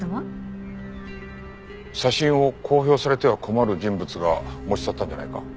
写真を公表されては困る人物が持ち去ったんじゃないか？